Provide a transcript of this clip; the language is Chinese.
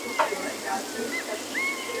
高位眶灯鱼为灯笼鱼科眶灯鱼属的鱼类。